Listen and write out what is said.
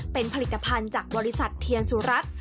เป็นผลิตภัณฑ์จากบริษัทเทียนสุรัตน์